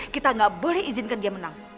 kita nggak boleh izinkan dia menang